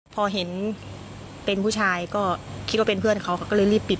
พอเห็นเป็นผู้ชายก็คิดว่าเป็นเพื่อนเขาก็เลยรีบปิด